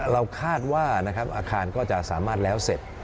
เราคาดว่านะครับอาคารก็จะสามารถแล้วเสร็จ